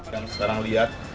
yang sekarang lihat